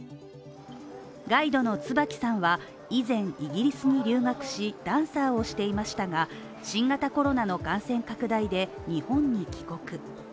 ガイドの椿さんは以前、イギリスに留学しダンサーをしていましたが新型コロナの感染拡大で日本に帰国。